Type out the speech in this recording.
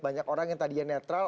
banyak orang yang tadinya netral